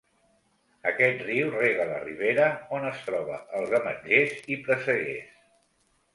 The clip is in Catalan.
Aquest riu rega la ribera, on es troba els ametllers i presseguers.